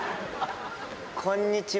こんにちは。